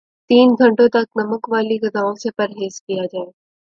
تین گھنٹوں تک نمک والی غذاوں سے پرہیز کیا جائے